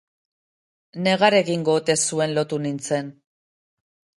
Negar egingo ote zuen lotu nintzen.